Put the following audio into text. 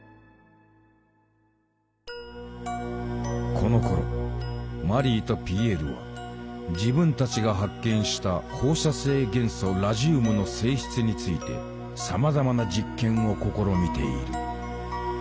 このころマリーとピエールは自分たちが発見した放射性元素ラジウムの性質についてさまざまな実験を試みている。